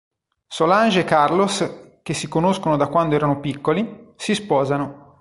Solange e Carlos, che si conoscono da quando erano piccoli, si sposano.